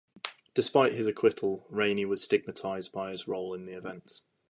Despite his acquittal, Rainey was stigmatized by his role in the events.